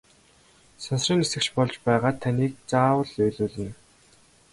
Сансрын нисэгч болж байгаад таныг заавал уйлуулна!